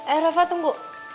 eh rafa tunggu